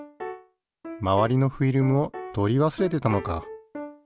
まわりのフィルムを取り忘れてたのか。